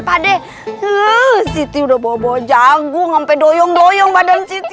padeh siti udah bawa jagung sampai doyong doyong badan siti